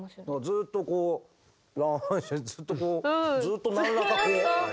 ずっとこう乱反射ずっとこうずっと何らかこう。